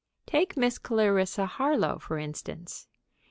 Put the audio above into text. Take Miss Clarissa Harlowe, for instance.